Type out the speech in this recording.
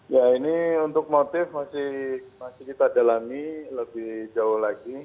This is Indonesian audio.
ya ini untuk motif masih kita dalami lebih jauh lagi